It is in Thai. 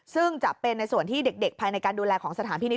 ซึ่งจะเป็นในส่วนที่เด็กภายในการดูแลของสถานพินิษ